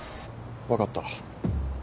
分かった。